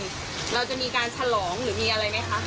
เราจะมีการฉลองหรือมีอะไรไหมคะ